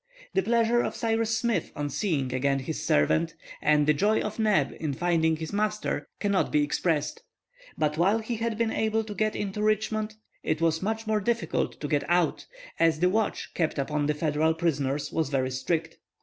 The pleasure of Cyrus Smith on seeing again his servant, and the joy of Neb in finding his master, cannot be expressed. But while he had been able to get into Richmond it was much more difficult to get out, as the watch kept upon the Federal prisoners was very strict.